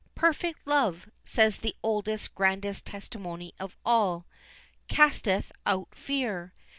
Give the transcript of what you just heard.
"Perfect love," says the oldest, grandest testimony of all, "casteth out fear."